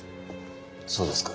そうですか。